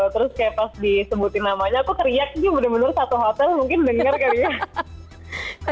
terus kayak pas disebutin namanya aku teriak nih bener bener satu hotel mungkin denger kalinya